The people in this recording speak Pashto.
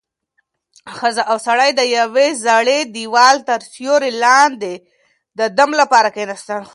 ښځه او سړی د یوې زړې دېوال تر سیوري لاندې د دم لپاره کېناستل.